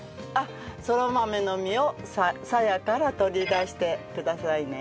そら豆の実をさやから取り出してくださいね。